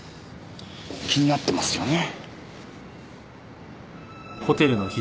気になってますよね。